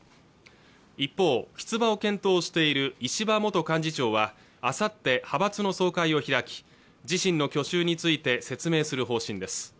一方出馬を検討している石破元幹事長はあさって派閥の総会を開き自身の去就について説明する方針です